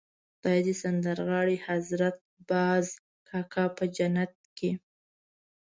خدای دې سندرغاړی حضرت باز کاکا په جنت کړي.